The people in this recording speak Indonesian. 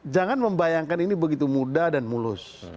jangan membayangkan ini begitu mudah dan mulus